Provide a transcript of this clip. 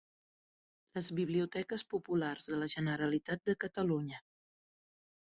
Les Biblioteques Populars de la Generalitat de Catalunya.